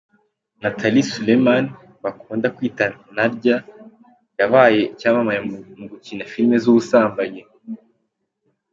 Natalie Suleman bakunda kwita Nadya, yabaye icyamamare mu gukina filime z’ubusambanyi.